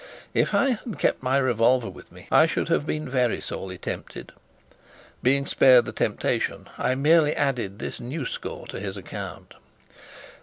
If I had kept my revolver with me, I should have been very sorely tempted. Being spared the temptation, I merely added this new score to his account.